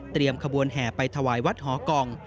เตรียมขบวนแห่ไปถวายวัดหอกอง